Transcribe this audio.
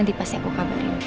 nanti pasti aku kaburin